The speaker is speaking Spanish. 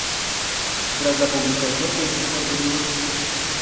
tras la publicación de estos contenidos